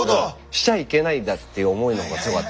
しちゃいけないんだっていう思いの方が強かったんですよ。